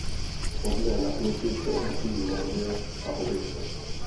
Shodné náměty se opakují v malbě a objektech.